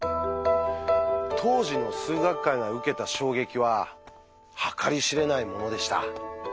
当時の数学界が受けた衝撃は計り知れないものでした。